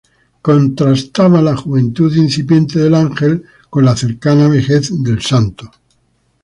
Contrastaba la juventud incipiente del ángel con la cercana vejez del santo.